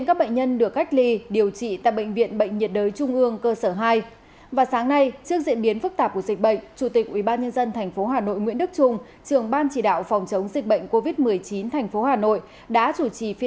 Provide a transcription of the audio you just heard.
các bạn hãy đăng ký kênh để ủng hộ kênh của chúng mình nhé